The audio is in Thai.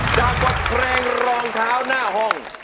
ดับกับแพลงรองเท้าหน้าห้อง